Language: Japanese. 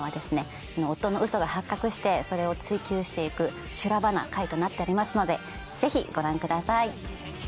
夫のウソが発覚してそれを追及していく修羅場な回となっておりますのでぜひご覧ください。